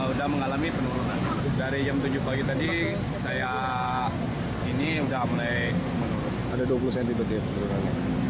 sudah mengalami penurunan dari jam tujuh pagi tadi ini sudah mulai penurunan